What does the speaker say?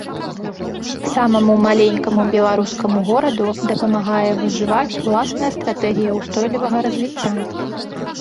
Самаму маленькаму беларускаму гораду дапамагае выжываць уласная стратэгія ўстойлівага развіцця.